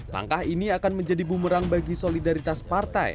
langkah ini akan menjadi bumerang bagi solidaritas partai